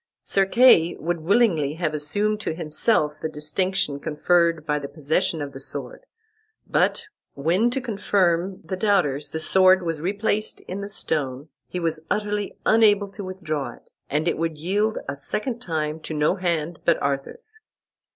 Sir Kay would willingly have assumed to himself the distinction conferred by the possession of the sword, but when, to confirm the doubters, the sword was replaced in the stone he was utterly unable to withdraw it, and it would yield a second time to no hand but Arthur's.